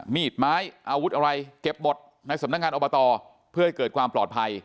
มีดไม้อาวุธอะไรเก็บหมดในสำนักงานอบตเพื่อให้เกิดความปลอดภัย